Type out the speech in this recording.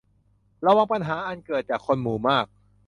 ระวังปัญหาอันเกิดจากคนหมู่มาก